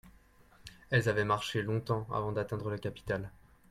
elles avaient marché longtemps avant d'atteindre la capitale.